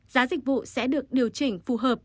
giá dịch vụ sẽ được điều chỉnh phù hợp